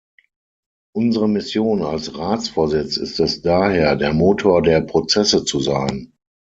Unsere Mission als Ratsvorsitz ist es daher, der Motor der Prozesse zu sein.